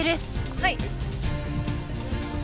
はい。